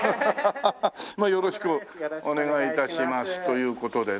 まあよろしくお願い致しますという事でね。